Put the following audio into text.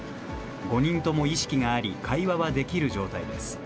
５人とも意識があり、会話はできる状態です。